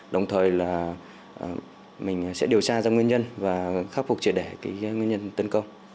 đồng thời là mình sẽ điều tra ra nguyên nhân và khắc phục trị đẻ nguyên nhân tấn công